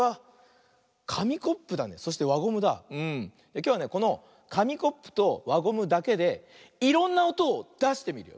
きょうはねこのかみコップとわゴムだけでいろんなおとをだしてみるよ。